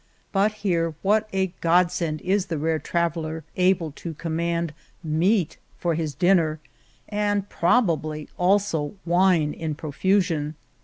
But here what a godsend is the rare traveller able to com mand — meat for his dinner and probably, also, wine in profusion.